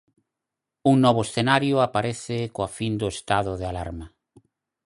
Un novo escenario aparece coa fin do estado de alarma.